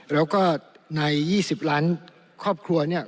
แล้วก็ใน๒๐ล้านครอบครัวเนี่ย